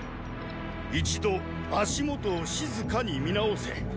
一度足元を静かに見直せ。